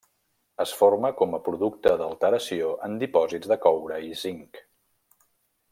Es forma com a producte d’alteració en dipòsits de coure i zinc.